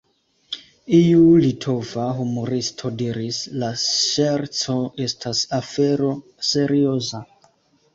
Iu litova humuristo diris: “La ŝerco estas afero serioza.